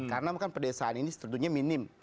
karena bukan pedesaan ini tentunya minim